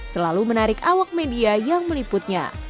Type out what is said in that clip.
selalu menarik awak media yang meliputnya